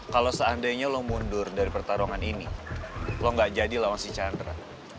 kalau seandainya lo mundur dari pertarungan ini lo gak jadi lawan si chandra